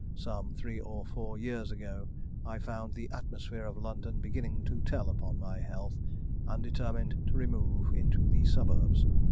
Some three or four years ago I found the atmosphere of London beginning to tell upon my health, and determined to remove into the suburbs.